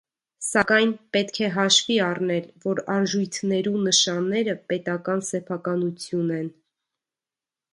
Սակայն, պէտք է հաշուի առնել, որ արժոյթներու նշանները պետական սեփականութիւն են։